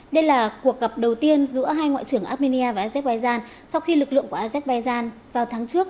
đây là cuộc gặp đầu tiên giữa hai ngoại trưởng armenia và azerbaijan sau khi lực lượng của azerbaijan vào tháng trước